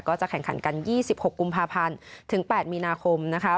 จะแข่งขันกัน๒๖กุมภาพันธ์ถึง๘มีนาคมนะคะ